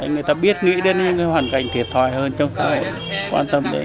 người ta biết nghĩ đến những hoàn cảnh thiệt thòi hơn trong gia hội quan tâm đến